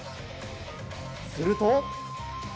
すると。